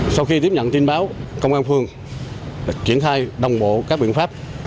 sau khi tiếp nhận tin báo công an phường đã triển khai đồng bộ các biện pháp